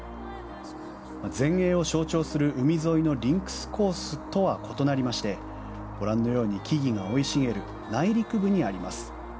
全英を象徴する海沿いのリンクスコースとは異なりましてご覧のように木々が生い茂る内陸部にあります。